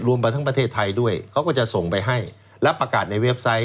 ไปทั้งประเทศไทยด้วยเขาก็จะส่งไปให้แล้วประกาศในเว็บไซต์